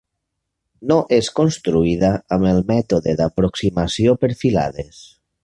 No és construïda amb el mètode d'aproximació per filades.